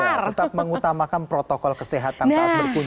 iya tetap mengutamakan protokol kesehatan saat berkunci